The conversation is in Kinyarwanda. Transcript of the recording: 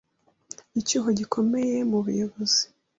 icyuho gikomeye mu buyobozi